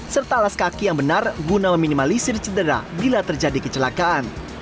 serta alas kaki yang benar guna meminimalisir cedera bila terjadi kecelakaan